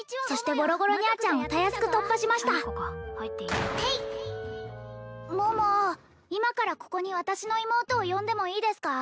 ごろごろにゃーちゃんをたやすく突破しました桃今からここに私の妹を呼んでもいいですか？